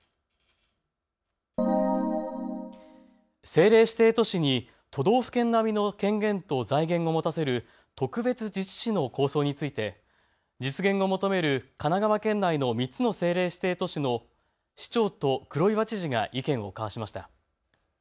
政令指定都市に都道府県並みの権限と財源を持たせる特別自治市の構想について実現を求める神奈川県内の３つの政令指定都市の市長と黒岩知事が意見を交わしました。